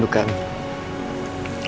bukan kau mimpi debat